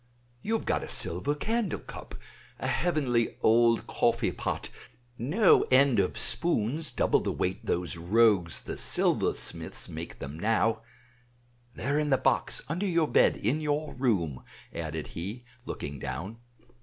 You have got a silver candle cup, a heavenly old coffee pot, no end of spoons double the weight those rogues the silversmiths make them now; they are in a box under your bed in your room," added he, looking down.